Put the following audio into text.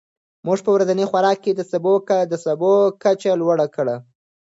موږ په ورځني خوراک کې د سبو کچه لوړه کړې.